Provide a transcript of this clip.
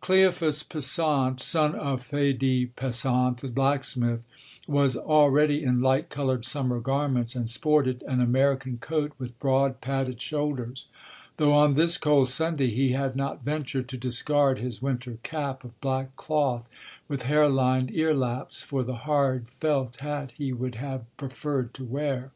Cleophas Pesant, son of Thadee Pesant the blacksmith, was already in light coloured summer garments, and sported an American coat with broad padded shoulders; though on this cold Sunday he had not ventured to discard his winter cap of black cloth with harelined ear laps for the hard felt hat he would have preferred to wear.